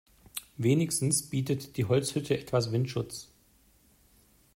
Wenigstens bietet die Holzhütte etwas Windschutz.